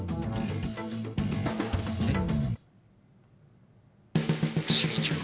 えっ？